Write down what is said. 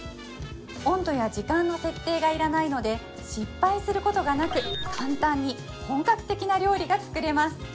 温度や時間の設定がいらないので失敗することがなく簡単に本格的な料理が作れます